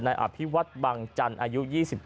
อภิวัฒน์บังจันทร์อายุ๒๗